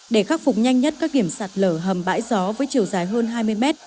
để khắc phục nhanh nhất các điểm sạt lở hầm bãi gió với chiều dài hơn hai mươi mét